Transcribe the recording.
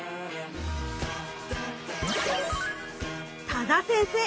多田先生